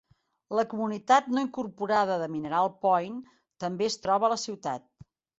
La comunitat no incorporada de Mineral Point també es troba a la ciutat.